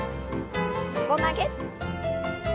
横曲げ。